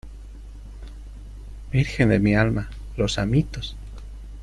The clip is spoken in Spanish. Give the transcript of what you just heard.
¡ virgen de mi alma! ¡ los amitos !